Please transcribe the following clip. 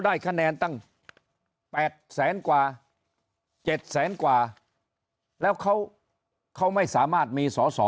ได้คะแนนตั้ง๘แสนกว่า๗แสนกว่าแล้วเขาไม่สามารถมีสอสอ